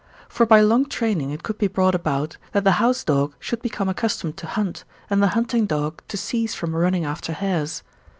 For by long training it could be brought about, that the house dog should become accustomed to hunt, and the hunting dog to cease from running after hares.